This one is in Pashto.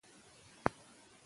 پاملرنه زده کړه زیاتوي.